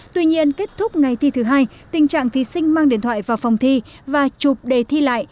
tuy nhiên kết thúc ngày thi thứ hai tình trạng thí sinh mang điện thoại vào phòng thi và chụp đề thi lại